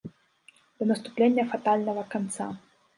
Да наступлення фатальнага канца.